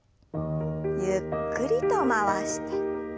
ゆっくりと回して。